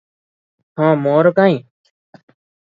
ହଁ ମୋହର କାହିଁ?